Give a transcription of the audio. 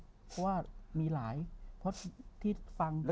เพราะว่ามีหลายเพราะที่ฟัง